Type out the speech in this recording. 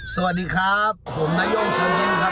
สวัสดีครับผมน้าย่องเชิญครับ